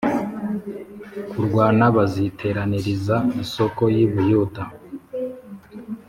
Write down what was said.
kurwana baziteraniriza i Soko y i Buyuda